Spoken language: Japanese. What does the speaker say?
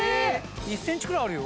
１センチくらいあるよ。